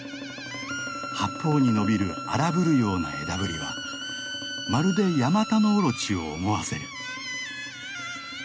八方に伸びる荒ぶるような枝ぶりはまるでヤマタノオロチを思わせる。